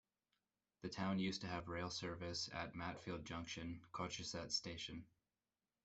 The town used to have rail service at Matfield Junction, Cochesett station.